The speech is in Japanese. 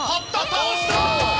倒した！